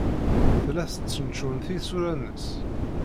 Tella testcentcun tisura-nnes.